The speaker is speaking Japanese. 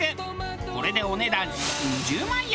これでお値段２０万円。